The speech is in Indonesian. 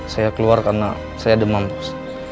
saya keluar karena saya demam